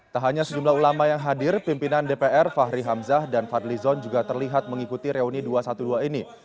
tak hanya sejumlah ulama yang hadir pimpinan dpr fahri hamzah dan fadli zon juga terlihat mengikuti reuni dua ratus dua belas ini